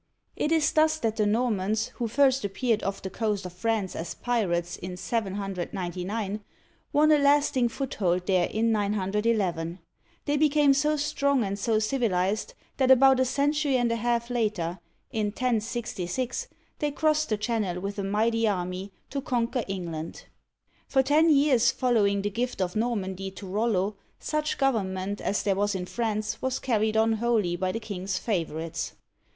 It is thus that the Normans, who first appeared off the coast of France as pirates in 799, won a lasting foothold there in 911. They became so strong and so civilized that about a century and a half later (in 1066) they crossed the Channel with a mighty army to conquer Eng land.i For ten years following the gift of Normandy to Rollo, such government as there was in France was carried on wholly by the king's favorites.